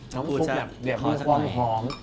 น้ำซุปแบบมีความหอม